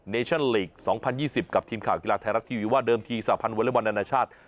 ชั่นลีก๒๐๒๐กับทีมข่าวกีฬาไทยรัฐทีวีว่าเดิมทีสาพันธ์วอเล็กบอลนานาชาติ